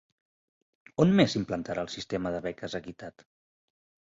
On més s'implantarà el sistema de beques equitat?